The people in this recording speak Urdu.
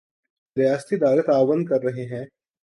ریاستی ادارے تعاون کر رہے ہیں۔